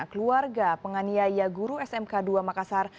keluarga penganiaya guru smk dua makassar